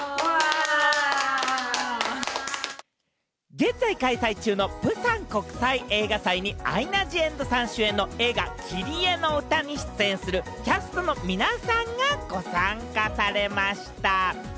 現在開催中のプサン国際映画祭にアイナ・ジ・エンドさん主演の映画『キリエのうた』に出演するキャストの皆さんがご参加されました。